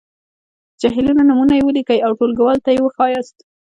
د جهیلونو نومونويې ولیکئ او ټولګیوالو ته یې وښایاست.